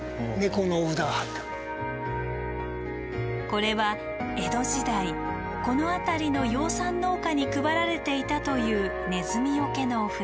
これは江戸時代この辺りの養蚕農家に配られていたというネズミよけのお札。